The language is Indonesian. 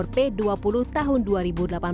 tentang jenis tumbuhan dan satwa yang ditemukan